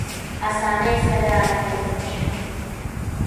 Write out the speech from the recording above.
اسانۍ سره تېر نه شو.